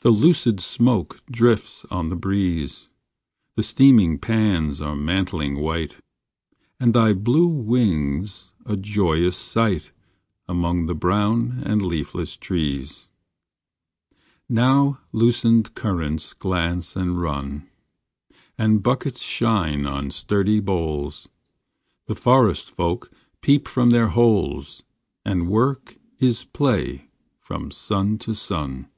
The lucid smoke drifts on the breeze, The steaming pans are mantling white, And thy blue wing s a joyous sight, Among the brown and leafless trees. 6 THE BLUEBIRD Now loosened currents glance and run, And buckets shine on sturdy boles, The forest folk peep from their holes, And work is play from sun to sun.